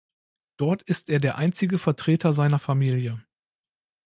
Dort ist er der einzige Vertreter seiner Familie.